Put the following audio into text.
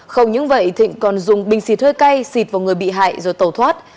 không những vậy thịnh còn dùng bình xịt hơi cay xịt vào người bị hại rồi tẩu thoát